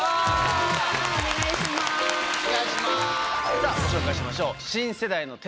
さぁご紹介しましょう。